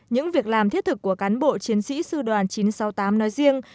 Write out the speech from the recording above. những việc làm thiết thực của cán bộ chiến sĩ sư đoàn chín trăm sáu mươi tám nói riêng